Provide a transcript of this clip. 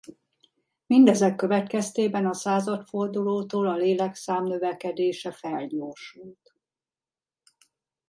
Mindezek következtében a századfordulótól a lélekszám növekedése felgyorsult.